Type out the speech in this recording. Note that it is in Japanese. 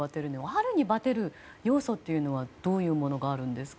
春にバテる要素というのはどういうものがあるんですか。